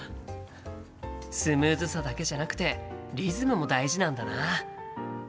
スムーズさだけじゃなくてリズムも大事なんだな。